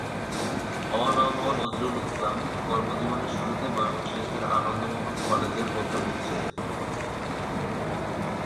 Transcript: অ ন ম নজরুল ইসলাম কর্মজীবনের শুরুতে ময়মনসিংহের আনন্দ মোহন কলেজের অধ্যাপক ছিলেন।